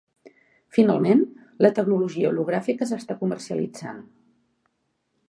Finalment, la tecnologia hologràfica s'està comercialitzant.